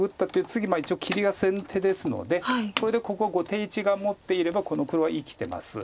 次一応切りが先手ですのでこれでここが後手一眼持っていればこの黒は生きてます。